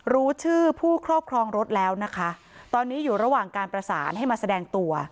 รู้ชื่อผู้ครอบครองรถแล้วนะคะตอนนี้อยู่ระหว่างการประสานให้มาแสดงตัว